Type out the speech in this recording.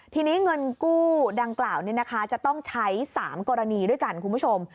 ทีนี้เงินกู้ดังกล่าวจะต้องใช้๓กรณีด้วยกันคุณผู้ชม